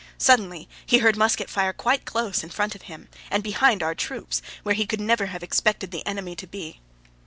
Suddenly he heard musket fire quite close in front of him and behind our troops, where he could never have expected the enemy to be.